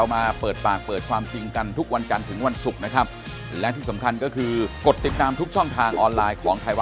ไม่ได้ชี้แจ้งเลย